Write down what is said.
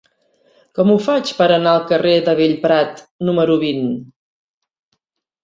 Com ho faig per anar al carrer de Bellprat número vint?